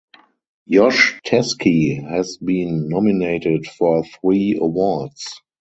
Josh Teskey has been nominated for three awards.